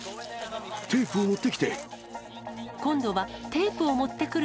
テープを持ってきて。